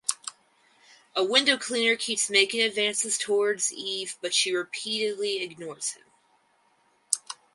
A window cleaner keeps making advances towards Eve but she repeatedly ignores him.